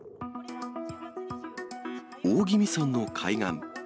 大宜味村の海岸。